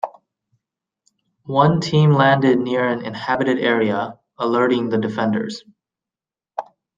One team landed near an inhabited area, alerting the defenders.